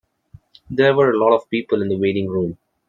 There were a lot of people in the waiting room.